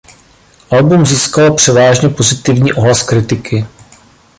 Album získalo převážně pozitivní ohlas kritiky.